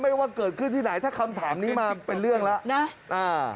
ว่าเกิดขึ้นที่ไหนถ้าคำถามนี้มาเป็นเรื่องแล้วนะอ่า